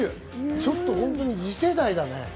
ちょっとホントに次世代だね。